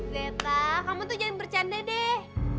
beta kamu tuh jangan bercanda deh